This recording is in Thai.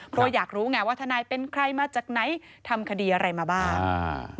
เพราะว่าอยากรู้ไงว่าทนายเป็นใครมาจากไหนทำคดีอะไรมาบ้างอ่า